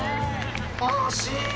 惜しい。